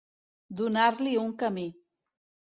Donar-li un camí.